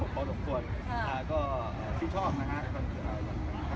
ก็ชิคชอบนะคะท่านคนนี้กินสุภศท่านคนนี้แหละนะคะ